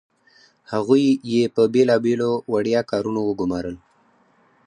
هغوی یې په بیلابیلو وړيا کارونو وګمارل.